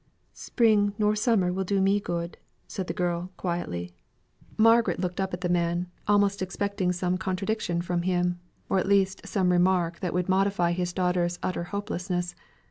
"Spring nor summer will do me good," said the girl quietly. Margaret looked up at the man, almost expecting some contradiction from him, or at least some remark that would modify his daughter's utter hopelessness.